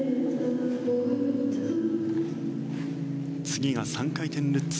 次は３回転ルッツ